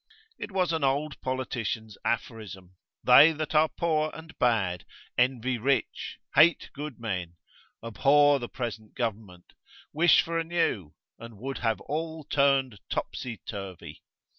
It was an old politician's aphorism, They that are poor and bad envy rich, hate good men, abhor the present government, wish for a new, and would have all turned topsy turvy.